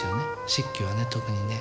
漆器はね特にね。